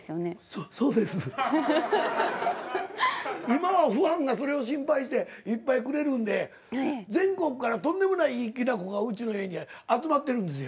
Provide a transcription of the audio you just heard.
今はファンがそれを心配していっぱいくれるんで全国からとんでもないいいきな粉がうちの家に集まってるんですよ。